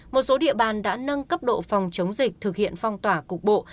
một số địa bàn đã nâng cấp độ phòng chống dịch thực hiện phong tỏa cục bộ